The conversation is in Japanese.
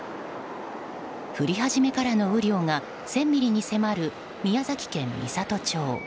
降り始めからの雨量が１０００ミリに迫る宮崎県美郷町。